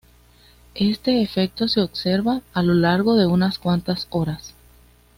Este efecto se observa a lo largo de unas cuantas horas.